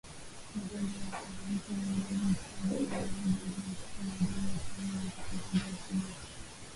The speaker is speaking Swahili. Magonjwa yanayosababisha umwagikaji au uvujaji mkubwa wa damu yakiwemo maambukizi ya damu kimeta